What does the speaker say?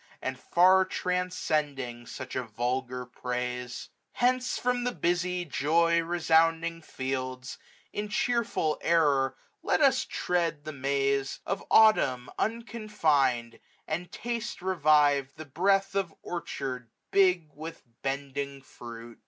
And far transcending such a vulgar praise. Hence from the busy joy resounding fields. In cheerful error, let us tread the maze €2$ A U T U Rf N. I4J Of Autumn, unconfin'd ; and taste, revivM, The breath of orchard big with bending fruit.